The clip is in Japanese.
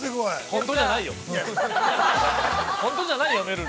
本当じゃないよ、めるる。